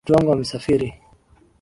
Mtoto wangu amesafiri.